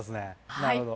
なるほど。